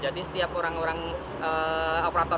jadi setiap orang orang operator